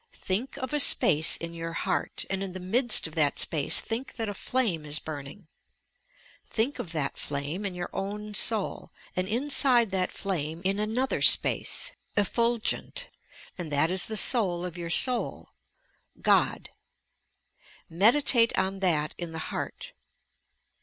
Think of a space in your heart, and in the midst of that space think that a flame is burning. Think of that flame in your own Soul, and inside that fiame in another space, effulgent, and that is the Soul of your Soul, — God. Med itate on that in the heart.